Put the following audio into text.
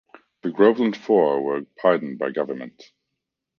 The Groveland Four were pardoned by Gov.